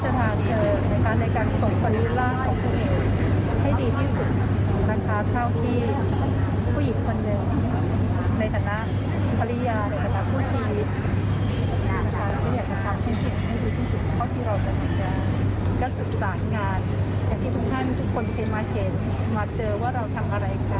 ค่อยสรุปสารงานที่เอกทำไว้ให้สำเร็จ